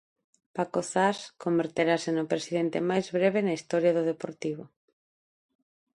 Paco Zas converterase no presidente máis breve na historia do Deportivo.